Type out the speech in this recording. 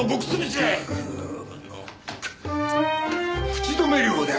口止め料だ。